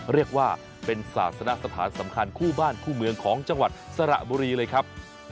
เรียกว่าเป็นศาสนสถานสำคัญคู่บ้านคู่เมืองของจังหวัดสระบุรีเลยครับ